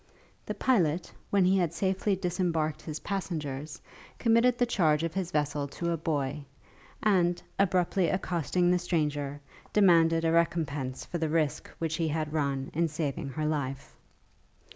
The pilot, when he had safely disembarked his passengers, committed the charge of his vessel to a boy, and, abruptly accosting the stranger, demanded a recompence for the risk which he had run in saving her life.